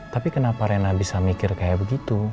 tapi kenapa rena bisa mikir kayak begitu